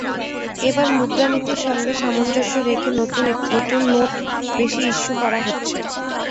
এবার মুদ্রানীতির সঙ্গে সামঞ্জস্য রেখে নতুন নোট বেশি ইস্যু করা হচ্ছে।